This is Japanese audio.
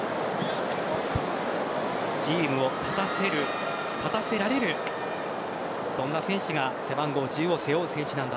チームを勝たせられるそんな選手が背番号１０を背負う選手なんだ。